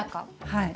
はい。